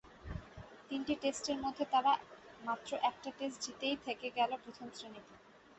তিনটি টেস্টের মধ্যে তারা মাত্র একটা টেস্ট জিতেই থেকে গেল প্রথম শ্রেণীতে।